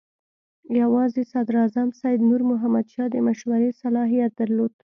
یوازې صدراعظم سید نور محمد شاه د مشورې صلاحیت درلود.